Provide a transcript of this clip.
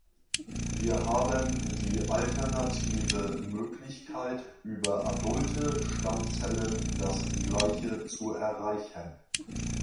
Wir haben die alternative Möglichkeit, über adulte Stammzellen das gleiche zu erreichen.